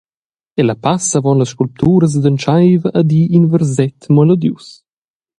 Ella passa avon las sculpturas ed entscheiva a dir in verset melodius.